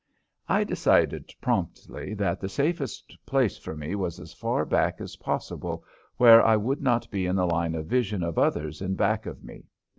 I decided promptly that the safest place for me was as far back as possible where I would not be in the line of vision of others in back of me.